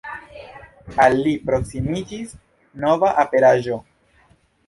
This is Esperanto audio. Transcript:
Al li proksimiĝis nova aperaĵo.